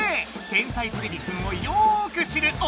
「天才てれびくん」をよく知るおれさま